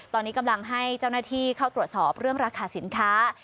ตอนนี้กำลังให้เจ้าหน้าที่เข้าตรวจสอบเรื่องราคาสินค้า